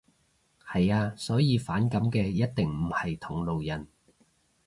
係呀。所以反感嘅一定唔係同路人